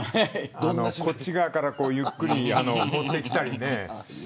こっち側からゆっくり持ってきたりね。